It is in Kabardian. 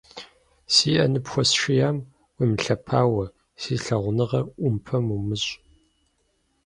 Си ӏэ ныпхуэсшиям уемылъэпауэ, си лъагуныгъэр ӏумпэм умыщӏ.